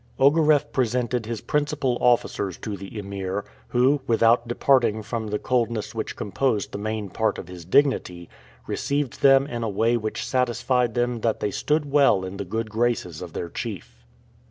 Ogareff presented his principal officers to the Emir, who, without departing from the coldness which composed the main part of his dignity, received them in a way which satisfied them that they stood well in the good graces of their chief.